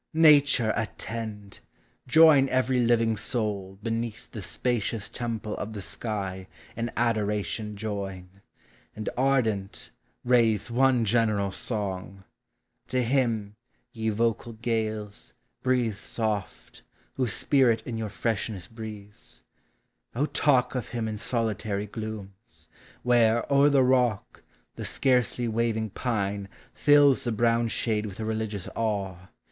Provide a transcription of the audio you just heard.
Nature, attend! join every living soul, Beneath the spacious temple of the sky. In adoration join; and, ardent, raise One general song! To Him, ye vocal gales, Breathe soft, whose spirit in your freshnd breathes: O talk of him in solitary glooms; Where, o'er the rock, the scarcely waving pine Fills the brown shade with a religious awe.